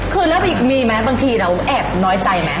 คือแล้วอีกมีมั้ยบางทีเราแอบน้อยใจมั้ย